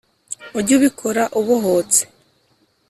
ujye ubikora ubohotse